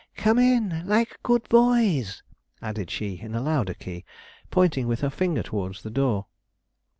'Come in, like good boys,' added she in a louder key, pointing with her finger towards the door.